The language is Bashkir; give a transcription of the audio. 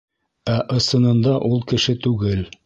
Ә ысынында ул кеше түгел.